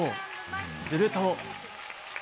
すると。